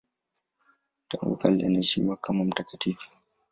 Tangu kale anaheshimiwa kama mtakatifu.